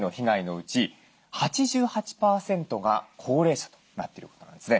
うち８８％が高齢者となってることなんですね。